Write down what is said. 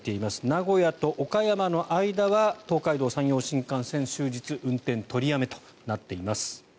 名古屋と岡山の間は東海道・山陽新幹線終日運転取りやめとなっています。